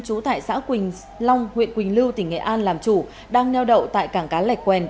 trú tại xã quỳnh long huyện quỳnh lưu tỉnh nghệ an làm chủ đang neo đậu tại cảng cá lạch quen